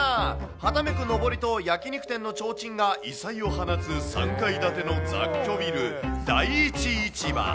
はためくのぼりと焼き肉店のちょうちんが異彩を放つ３階建ての雑居ビル、大一市場。